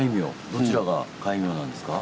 どちらが戒名なんですか？